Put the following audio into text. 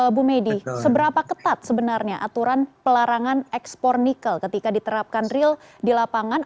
bu medi seberapa ketat sebenarnya aturan pelarangan ekspor nikel ketika diterapkan real di lapangan